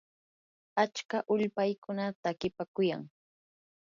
achka ulpaykuna takipaakuyan.